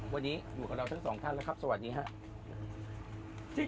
วันนี้อยู่กับเราทั้งสองท่านแล้วครับสวัสดีครับ